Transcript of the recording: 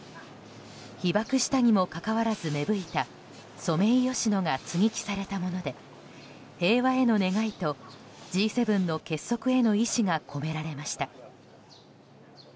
被爆したにもかかわらず芽吹いたソメイヨシノが接ぎ木されたもので平和への願いとＧ７の結束への意思がこめられました。